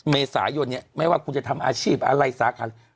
เมษายนเนี่ยไม่ว่าคุณจะทำอาชีพอะไรสาขา